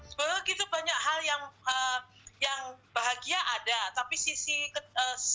sebegitu banyak hal yang bisa kita lakukan untuk selamatkan orang orang yang sudah terhubung dengan kita